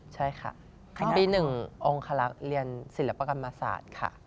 ใช่ค่ะปี๑องคลักษณ์เรียนศิลปกรรมศาสตร์ค่ะ